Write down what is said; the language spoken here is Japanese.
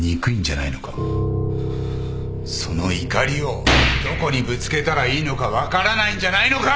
その怒りをどこにぶつけたらいいのか分からないんじゃないのか！